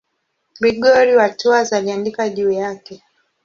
Gregori wa Tours aliandika juu yake.